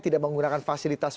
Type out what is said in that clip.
tidak menggunakan fasilitas